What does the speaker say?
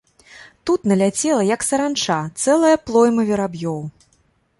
Тут наляцела, як саранча, цэлая плойма вераб'ёў.